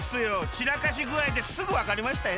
ちらかしぐあいですぐわかりましたよ。